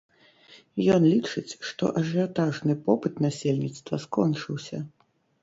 Ён лічыць, што ажыятажны попыт насельніцтва скончыўся.